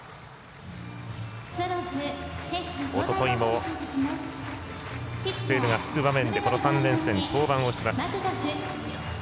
おとといも、セーブがつく場面でこの３連戦、登板をしました。